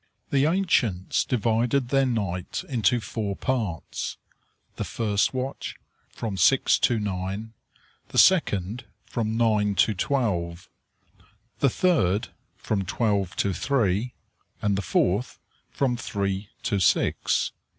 The ancients divided their night into four parts the first watch, from six to nine; the second, from nine to twelve; the third, from twelve to three; and the fourth, from three to six.